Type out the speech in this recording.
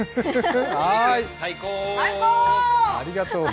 最高！！